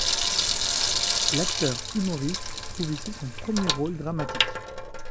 L'acteur-humoriste trouve ici son premier rôle dramatique.